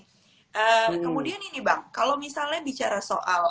kemudian ini bang kalau misalnya bicara soal